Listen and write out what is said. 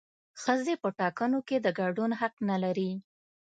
ښځې په ټاکنو کې د ګډون حق نه لري